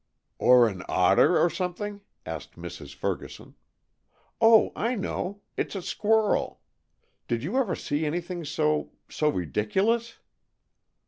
"Or an otter, or something?" asked Mrs. Ferguson. "Oh, I know! It's a squirrel. Did you ever see anything so so ridiculous!"